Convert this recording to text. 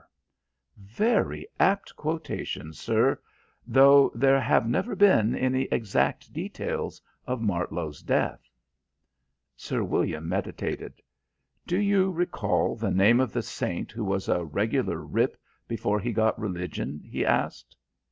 "Very apt quotation, sir, though there have never been any exact details of Martlow's death." Sir William meditated. "Do you recall the name of the saint who was a regular rip before he got religion?" he asked.